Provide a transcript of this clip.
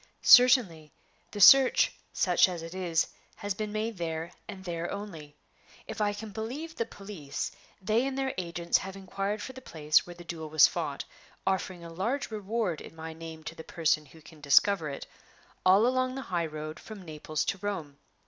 "Certainly; the search, such as it is, has been made there, and there only. If I can believe the police, they and their agents have inquired for the place where the duel was fought (offering a large reward in my name to the person who can discover it) all along the high road from Naples to Rome.